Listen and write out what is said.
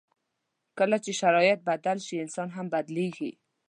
کله چې شرایط بدل شي، انسان هم بدل کېږي.